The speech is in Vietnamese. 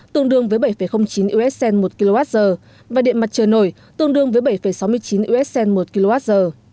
tương đương với bảy chín usd một kwh và điện mặt trời nổi tương đương với bảy sáu mươi chín usd một kwh